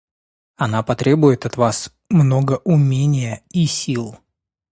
Она потребует от Вас много умения и сил.